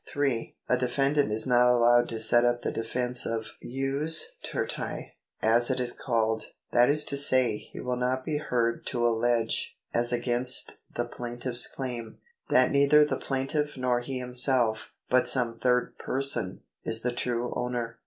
3. A defendant is not allowed to set up the defence oijus tertii, as it is called ; that is to say, he will not be heard to 270 POSSESSION [§ 107 allege, as against the plaintiff's claim, that neither the plaintiff nor he himself, but some third person, is the true owner.